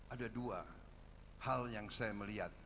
ada dua hal yang saya melihat